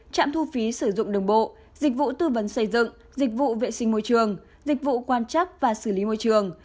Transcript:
trạm thu phí sử dụng đường bộ dịch vụ tư vấn xây dựng dịch vụ vệ sinh môi trường dịch vụ quan chắc và xử lý môi trường